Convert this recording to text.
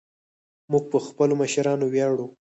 موږ په خپلو مشرانو ویاړو